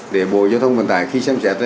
để bộ giao thông vận tài khi xem xét